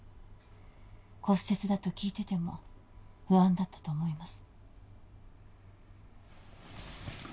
骨折だと聞いてても不安だったと思います